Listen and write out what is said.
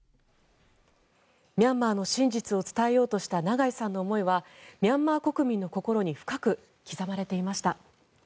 ミャンマーの真実を伝えようとした長井さんの思いはミャンマー国民の心に深く刻まれていました。